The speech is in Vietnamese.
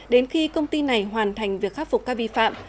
đến khi công ty này hoàn thành việc khắc phục các vi phạm